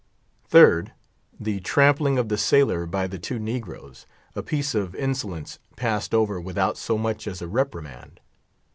Third, the trampling of the sailor by the two negroes; a piece of insolence passed over without so much as a reprimand.